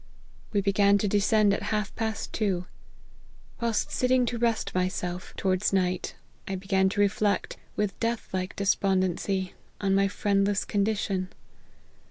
We began to descend at half past two. Whilst sitting to rest myself, towards night, I began to reflect, with death like despon dency, on my friendless condition.